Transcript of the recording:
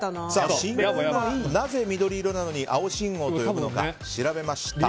信号がなぜ緑色なのに青信号っていうのか調べました。